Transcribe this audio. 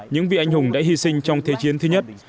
những vị anh hùng đã hy sinh trong thế chiến thứ nhất